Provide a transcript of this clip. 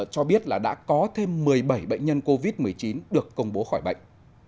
cho biết là đã có thêm một mươi bảy bệnh nhân covid một mươi chín được công bố khỏi bệnh